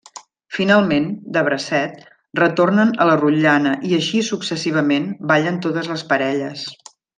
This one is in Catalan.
Finalment, de bracet, retornen a la rotllana i així, successivament, ballen totes les parelles.